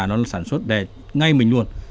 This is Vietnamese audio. nó sản xuất đẹp ngay mình luôn